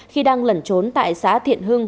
khi đang lẩn trốn tại xã thiện hưng